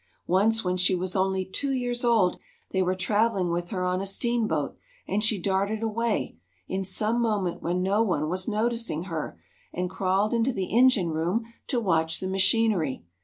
Once when she was only two years old they were traveling with her on a steamboat, and she darted away, in some moment when no one was noticing her, and crawled into the engine room to watch the machinery.